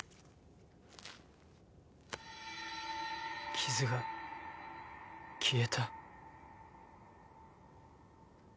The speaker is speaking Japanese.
傷が消えた